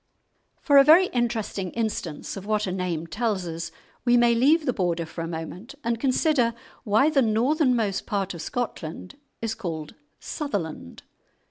For a very interesting instance of what a name tells us we may leave the Border for a moment and consider why the northernmost part of Scotland is called "Sutherland."